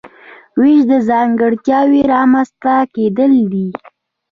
وېش د ځانګړتیاوو رامنځته کیدل دي.